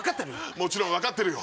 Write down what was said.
もちろん分かってるよ